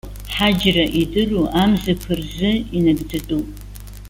Ҳаџьра идыру амзақәа рзы инагӡатәуп.